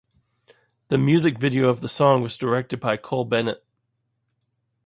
The music video of the song was directed by Cole Bennett.